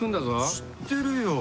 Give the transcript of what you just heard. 知ってるよ。